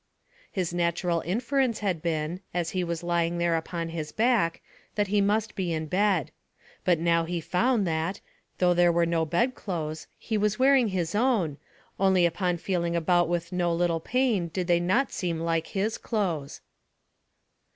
His natural inference had been, as he was lying there upon his back, that he must be in bed; but now he found that, though there were no bed clothes, he was wearing his own, only upon feeling about with no little pain they did not seem like his clothes.